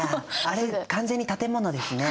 あれ完全に建物ですね。